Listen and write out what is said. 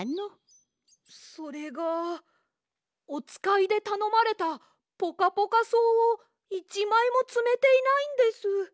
それがおつかいでたのまれたポカポカそうをいちまいもつめていないんです。